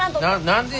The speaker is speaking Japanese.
何で？